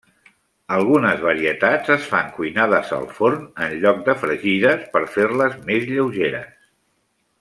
Algunes varietats es fan cuinades al forn en lloc de fregides per fer-les més lleugeres.